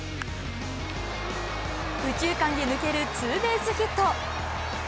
右中間へ抜けるツーベースヒット。